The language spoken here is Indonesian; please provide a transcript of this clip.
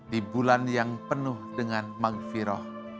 di bulan yang penuh dengan maghfirah